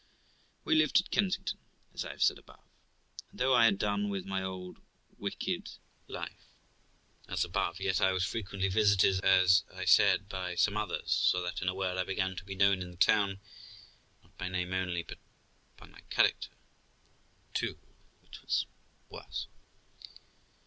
We lived at Kensington, as I have said, and though I had done with my old wicked 1 , as above, yet I was frequently visited, as I said, by some others; so that, in a word, I began to be known in the town, not by name only, but by my character too, which was worse.